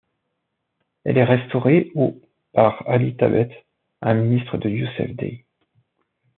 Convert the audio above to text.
Elle est restaurée au par Ali Thabet, un ministre de Youssef Dey.